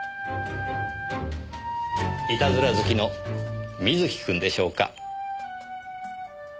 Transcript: いたずら好きの瑞貴くんでしょうか？